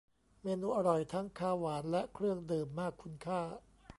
เมนูอร่อยทั้งคาว หวาน และเครื่องดื่ม มากคุณค่า